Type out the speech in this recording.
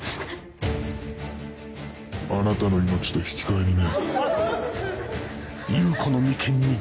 あなたの命と引き換えにね。